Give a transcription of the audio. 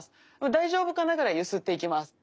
大丈夫かな？ぐらい揺すっていきます。